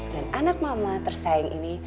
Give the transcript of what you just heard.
dan anak mama tersayang ini